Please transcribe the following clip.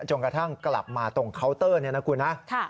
จนกระทั่งกลับมาตรงเคาน์เตอร์เนี่ยนะคุณนะ